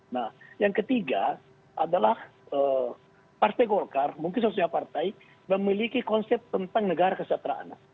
nah yang ketiga adalah partai golkar mungkin sosial partai memiliki konsep tentang negara kesejahteraan